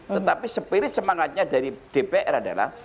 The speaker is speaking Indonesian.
tetapi spirit semangatnya dari dpr adalah